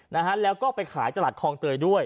นะฮะแล้วก็ไปขายตลาดคลองเตยด้วย